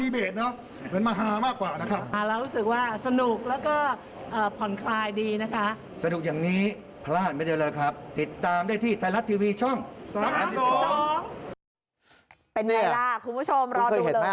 เป็นไงล่ะคุณผู้ชมรอดูเลย